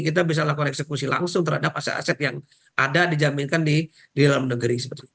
kita bisa lakukan eksekusi langsung terhadap aset aset yang ada dijaminkan di dalam negeri